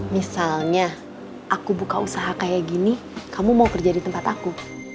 misalnya aku buka usaha kayak gini kamu mau kerja di tempat aku